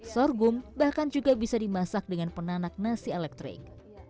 sorghum bahkan juga bisa dimasak dengan penanak nasi elektrik